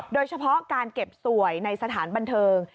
โดยเฉพาะการเก็บสวยในสถานบันเทิง